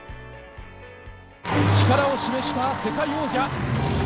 力を示した世界王者。